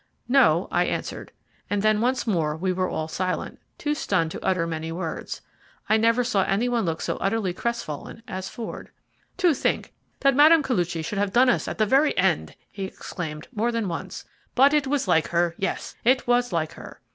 "No," I answered, and then once more we were all silent, too stunned to utter many words. I never saw any one look so utterly crestfallen as Ford. "To think that Mme. Koluchy should have done us at the very end!" he exclaimed more than once; "but it was like her; yes, it was like her."